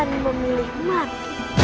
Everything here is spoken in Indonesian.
kalian memilih mati